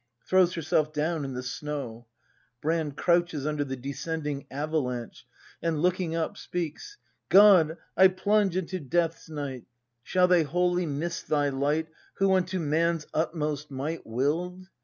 [ Throivs iierself down in the snow. Brand. [Crouches under the descending avalanche, and, looking up, speaks.] God, I plunge into death's night, — Shall they wholly miss thy Light Who unto man's utmost might Will'd— ?